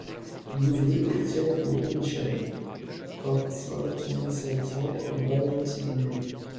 douze rue Étienne Oehmichen, vingt-cinq mille sept cents Valentigney